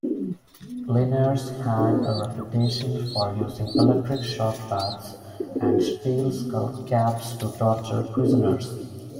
Linares had a reputation for using electric-shock baths and steel skull-caps to torture prisoners.